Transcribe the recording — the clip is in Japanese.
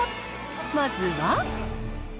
まずは。